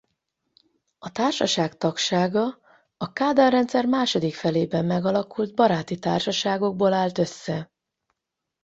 A Társaság tagsága a Kádár-rendszer második felében megalakult baráti társaságokból állt össze.